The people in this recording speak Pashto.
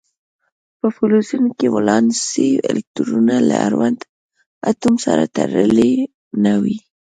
په فلزونو کې ولانسي الکترونونه له اړوند اتوم سره تړلي نه وي.